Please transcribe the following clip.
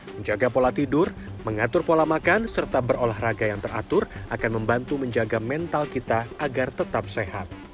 menjaga pola tidur mengatur pola makan serta berolahraga yang teratur akan membantu menjaga mental kita agar tetap sehat